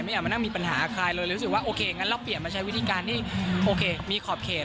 อยากมานั่งมีปัญหาใครเลยเลยรู้สึกว่าโอเคงั้นเราเปลี่ยนมาใช้วิธีการที่โอเคมีขอบเขต